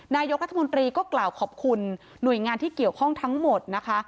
นายกรัฐมนตรีก็กล่าวขอบคุณหน่วยงานที่เกี่ยวข้องทั้งหมดนะคะ